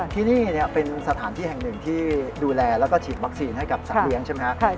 ที่นี่เป็นสถานที่แห่งหนึ่งที่ดูแลแล้วก็ฉีดวัคซีนให้กับสัตว์เลี้ยงใช่ไหมครับ